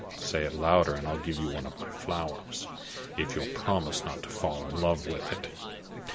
Say it louder, and I'll give you one of my flowers, if you'll promise not to fall in love with it."